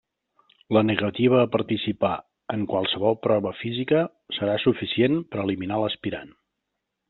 La negativa a participar en qualsevol prova física serà suficient per a eliminar l'aspirant.